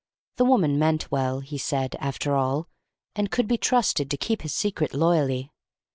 The woman meant well, he said, after all, and could be trusted to keep his secret loyally.